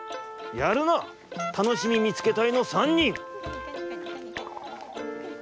やるなたのしみみつけたいの３にん！